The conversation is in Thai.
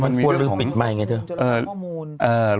มันมีเรื่องของข้อมูล